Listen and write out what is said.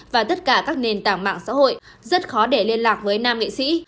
và tất cả các nền tảng mạng xã hội rất khó để liên lạc với nam nghệ sĩ